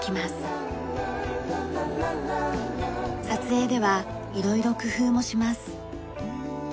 撮影では色々工夫もします。